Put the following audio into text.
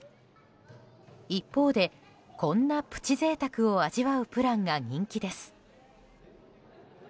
一方で、こんなプチ贅沢を味わうプランが人気です。